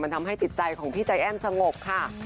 ทำให้จิตใจของพี่ใจแอ้นสงบค่ะ